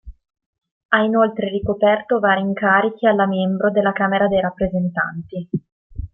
Ha inoltre ricoperto vari incarichi alla membro della Camera dei rappresentanti.